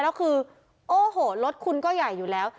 แล้วคือโอ้โหรถคุณก็ใหญ่อยู่แล้ว